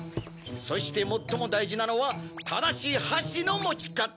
そして最も大事なのは正しい箸の持ち方。